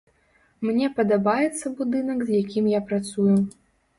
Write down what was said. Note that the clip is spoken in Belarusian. Мне падабаецца будынак, з якім я працую.